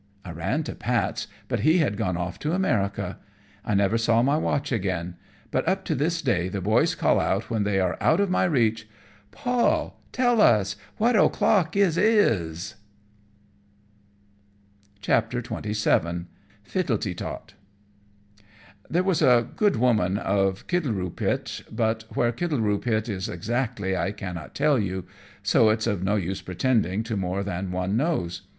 I ran to Pat's, but he had gone off to America. I never saw my watch again; but up to this day the boys call out, when they are out of my reach "Paul, tell us what o'clock it is." [Decoration] XXVII. Fittletetot. There was a good woman of Kittleroopit, but where Kittleroopit is exactly I cannot tell you; so it's of no use pretending to more than one knows.